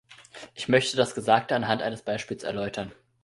Ich möchte das Gesagte anhand eines Beispiels erläutern.